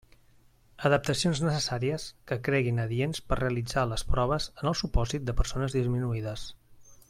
Adaptacions necessàries que creguin adients per realitzar les proves en el supòsit de persones disminuïdes.